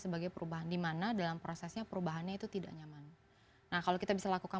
sebagai perubahan dimana dalam prosesnya perubahannya itu tidak nyaman nah kalau kita bisa lakukan